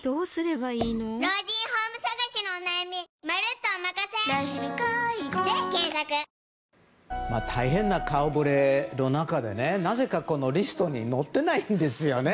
東京海上日動大変な顔ぶれの中でなぜかリストに載ってないんですよね。